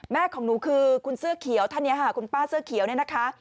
ของหนูคือคุณเสื้อเขียวท่านนี้ค่ะคุณป้าเสื้อเขียวเนี่ยนะคะ